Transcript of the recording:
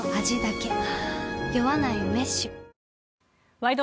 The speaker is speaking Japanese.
「ワイド！